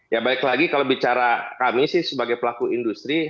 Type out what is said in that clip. ya balik lagi kalau bicara kami sih sebagai pelaku industri